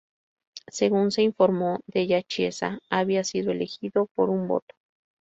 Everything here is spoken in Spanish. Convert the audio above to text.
Según se informó, Della Chiesa había sido elegido por un voto.